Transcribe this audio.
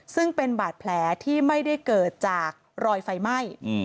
ซึ่งเป็นบาดแผลที่ไม่ได้เกิดจากรอยไฟไหม้